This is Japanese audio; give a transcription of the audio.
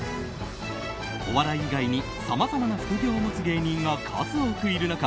お笑い以外にさまざまな副業を持つ芸人が数多くいる中